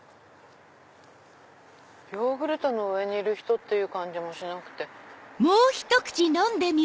ヨーグルトの上にいる人って感じもしなくて。